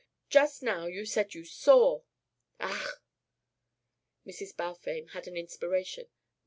Just now you said you saw." "Ach " Mrs. Balfame had an inspiration.